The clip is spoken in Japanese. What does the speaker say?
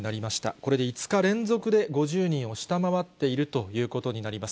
これで５日連続で５０人を下回っているということになります。